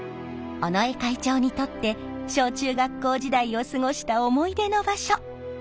尾上会長にとって小中学校時代を過ごした思い出の場所。